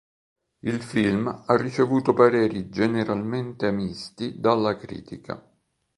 Il film ha ricevuto pareri generalmente misti dalla critica.